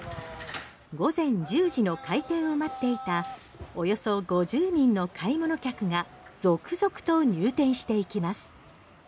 午前１０時の開店を待っていたおよそ５０人の買い物客が続々と入店していきます。